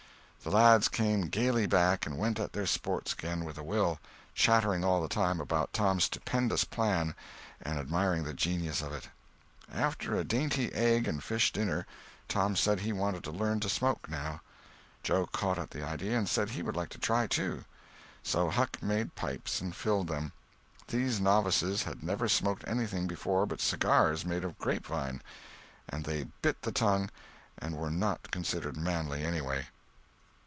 The lads came gayly back and went at their sports again with a will, chattering all the time about Tom's stupendous plan and admiring the genius of it. After a dainty egg and fish dinner, Tom said he wanted to learn to smoke, now. Joe caught at the idea and said he would like to try, too. So Huck made pipes and filled them. These novices had never smoked anything before but cigars made of grapevine, and they "bit" the tongue, and were not considered manly anyway.